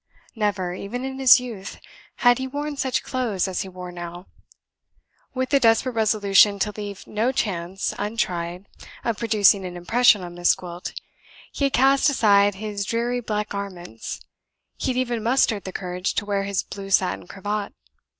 Never, even in his youth, had he worn such clothes as he wore now. With the desperate resolution to leave no chance untried of producing an impression on Miss Gwilt, he had cast aside his dreary black garments; he had even mustered the courage to wear his blue satin cravat.